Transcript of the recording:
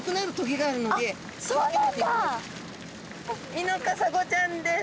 ミノカサゴちゃんです。